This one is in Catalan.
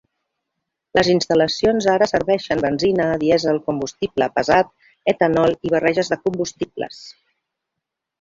Les instal·lacions ara serveixen benzina, dièsel, combustible pesat, etanol i barreges de combustibles.